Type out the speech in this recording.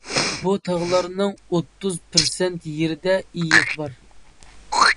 بۇ تاغلارنىڭ ئوتتۇز پىرسەنت يېرىدە ئېيىق بار.